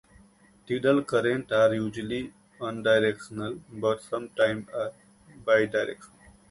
Tidal currents are usually unidirectional but sometimes are bidirectional.